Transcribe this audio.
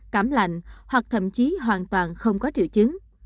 cảm lạnh hoặc thậm chí hoàn toàn không có triệu chứng